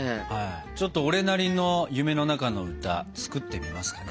ちょっと俺なりの「夢の中の歌」作ってみますかね。